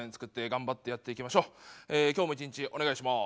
え今日も一日お願いします。